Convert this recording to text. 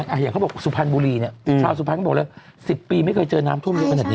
อย่างเขาบอกสุภัณฑ์บุรีเนี่ยชาวสุภัณฑ์เขาบอกเลย๑๐ปีไม่เคยเจอน้ำท่วมเยอะขนาดนี้